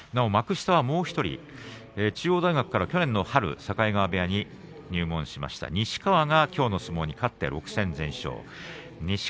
幕下はもう１人中央大学から去年、境川部屋に入った西川がきょうの相撲に勝って６戦全勝です。